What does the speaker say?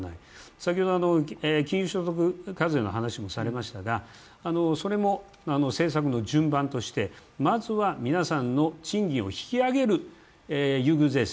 先ほど金融所得課税の話もされましたがそれも政策の順番としてまずは皆さんの賃金を引き上げる優遇税制